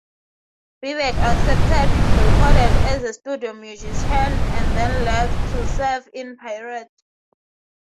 Bebek accepted, recorded as a studio musician, and then left to serve in Pirot.